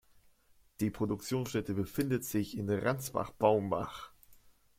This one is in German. Die Produktionsstätte befindet sich in Ransbach-Baumbach.